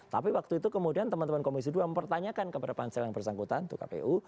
tapi waktu itu kemudian teman teman komisi dua mempertanyakan kepada pansel yang bersangkutan untuk kpu